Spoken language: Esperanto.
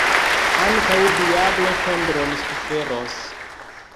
Ankaŭ diablo tondron suferos.